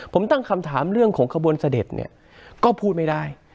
ผมตั้งคำถามเรื่องของขบวนเสด็จเนี่ยก็พูดไม่ได้